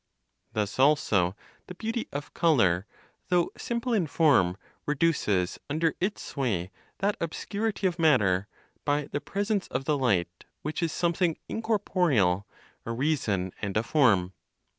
Thus also the beauty of color, though simple in form, reduces under its sway that obscurity of matter, by the presence of the light, which is something incorporeal, a reason, and a form.